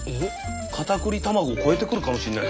カタクリ卵を超えてくるかもしれない。